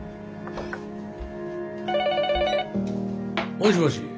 ☎もしもし？